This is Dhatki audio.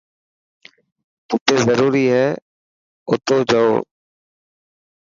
جتي ضرورت هي اوتو جول.